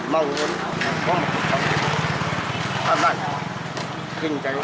mong muốn có một tổng thống an toàn